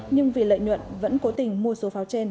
nhưng vì lợi nhuận vẫn cố tình mua số pháo trên